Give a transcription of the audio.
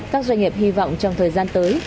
các doanh nghiệp hy vọng trong thời gian tới